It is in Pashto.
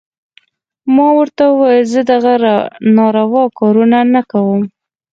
ما ورته وويل زه دغه ناروا کارونه نه کوم.